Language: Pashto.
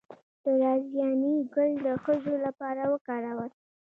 د رازیانې ګل د ښځو لپاره وکاروئ